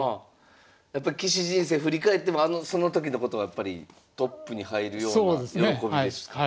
やっぱ棋士人生振り返ってもその時のことがやっぱりトップに入るような喜びですか。